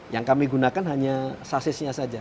yang kami gunakan hanya sasisnya saja